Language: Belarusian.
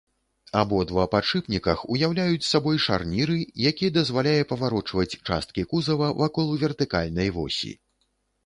Абодва падшыпніках уяўляюць сабой шарніры, які дазваляе паварочваць часткі кузава вакол вертыкальнай восі.